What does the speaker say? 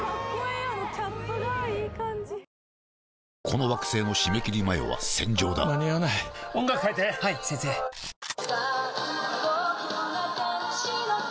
この惑星の締め切り前は戦場だ間に合わない音楽変えて！はいっ！